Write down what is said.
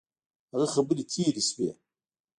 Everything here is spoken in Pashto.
هغه خبري تیري سوې.